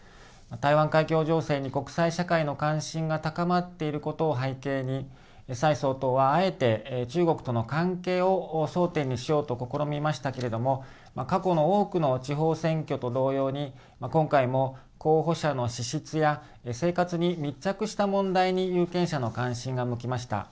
台湾海峡情勢に国際社会の関心が高まっていることを背景に、蔡総統はあえて中国との関係を争点にしようと試みましたけれども、過去の多くの地方選挙と同様に、今回も候補者の資質や生活に密着した問題に有権者の関心が向きました。